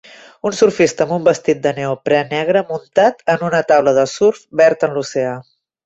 Un surfista amb un vestit de neoprè negre muntat en una taula de surf verd en l'oceà.